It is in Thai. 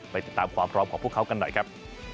ไปติดตามความพร้อมของพวกเขากันหน่อยครับ